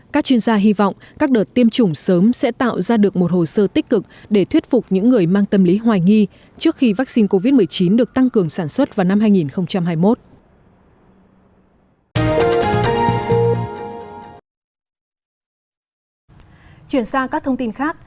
các chuyên gia hy vọng các đợt tiêm chủng sớm sẽ tạo ra được một hồ sơ tích cực để thuyết phục những người mang tâm lý hoài nghi trước khi vaccine covid một mươi chín được tăng cường sản xuất vào năm hai nghìn hai mươi một